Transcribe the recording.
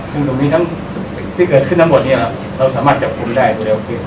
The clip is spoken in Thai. ซึ่งตรงนี้ทั้งที่เกิดขึ้นทั้งหมดเนี่ยเราสามารถจับกลุ่มได้เร็วขึ้น